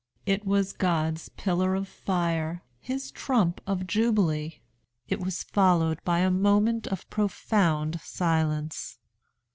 It was God's pillar of fire. His trump of jubilee. It was followed by a moment of profound silence.